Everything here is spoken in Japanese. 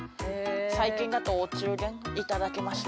最近だとお中元頂きました。